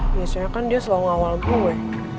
biasanya kan dia selalu ngawal gue